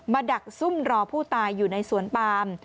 ดักซุ่มรอผู้ตายอยู่ในสวนปาม